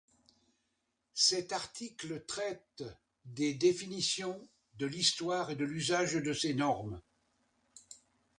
Cet article traite des définitions, de l'histoire et de l'usage de ces normes.